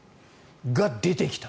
が、出てきた。